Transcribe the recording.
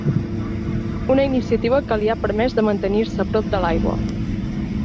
Una iniciativa que li ha permès de mantenir-se a prop de l’aigua.